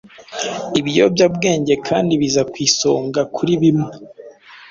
Ibiyobyabwenge kandi biza ku isonga kuri bimwe